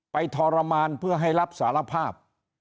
ทรมานเพื่อให้รับสารภาพ